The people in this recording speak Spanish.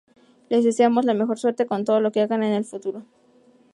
Les deseamos la mejor suerte con todo lo que hagan en el futuro.